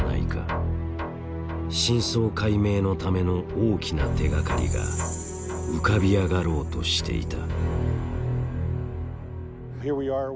真相解明のための大きな手がかりが浮かび上がろうとしていた。